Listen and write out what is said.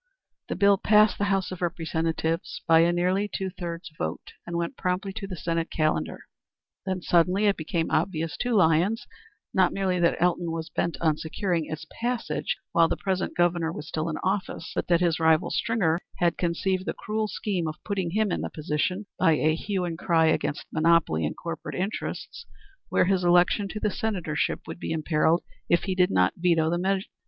The bill passed the House of Representatives by a nearly two thirds vote and went promptly to the Senate calendar. Then suddenly it became obvious to Lyons not merely that Elton was bent on securing its passage while the present Governor was in office, but that his rival, Stringer, had conceived the cruel scheme of putting him in the position, by a hue and cry against monopoly and corporate interests, where his election to the senatorship would be imperilled if he did not veto the measure.